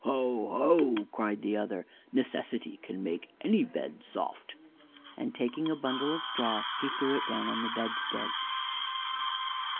"Ho, ho!" cried the other; "Necessity can make any bed soft," and taking a bundle of straw, he threw it down on the bedstead.